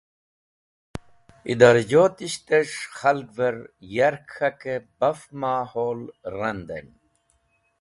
Idorajotisht es̃h khalgver yark k̃hake baf mahol randen.